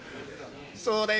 そうだよ